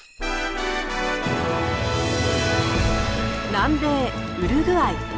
南米ウルグアイ。